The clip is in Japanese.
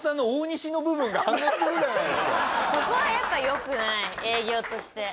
そこはやっぱ良くない営業として。